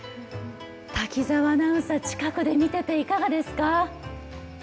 滝澤アナウンサー、近くで見てていかがですか？